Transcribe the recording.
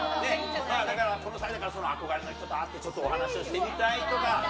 だから、この際だから憧れの人に会って、ちょっとお話をしてみたいとか。